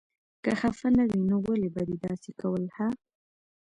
که خفه نه وې نو ولې به دې داسې کول هه.